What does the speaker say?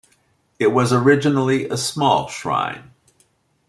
It was originally a small shrine.